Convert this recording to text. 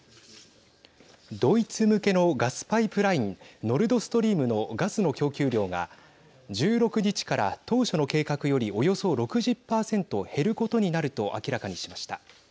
ドイツ向けのガスパイプラインノルドストリームのガスの供給量が１６日から当初の計画よりおよそ６０％減ることになると明らかにしました。